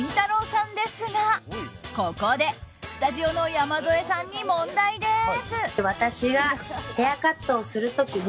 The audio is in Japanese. さんですがここでスタジオの山添さんに問題です。